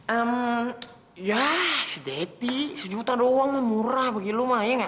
em ya si daddy sejuta doang murah bagi lo mah iya gak